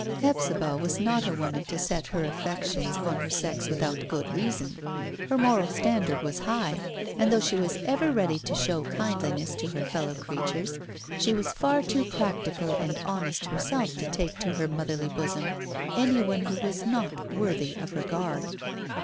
Hephzibah was not a woman to set her affections on her sex without good reason. Her moral standard was high, and though she was ever ready to show kindliness to her fellow creatures, she was far too practical and honest herself to take to her motherly bosom any one who was not worthy of regard.